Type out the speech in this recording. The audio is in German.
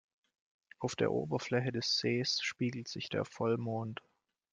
Auf der Oberfläche des Sees spiegelt sich der Vollmond.